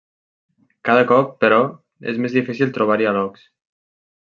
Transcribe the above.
Cada cop, però, és més difícil trobar-hi alocs.